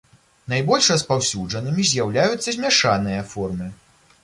Найбольш распаўсюджанымі з'яўляюцца змяшаныя формы.